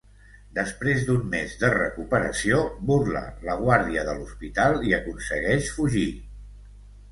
Després d'un mes de recuperació, burla la guàrdia de l'hospital i aconsegueix fugir.